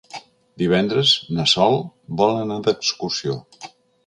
Divendres na Sol vol anar d'excursió.